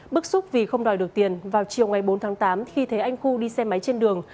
bức xúc vì không đòi được tiền vào chiều ngày bốn tháng tám khi thấy anh khu đi xe máy trên đường